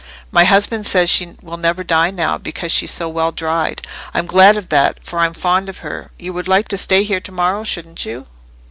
My husband says she will never die now, because she's so well dried. I'm glad of that, for I'm fond of her. You would like to stay here to morrow, shouldn't you?"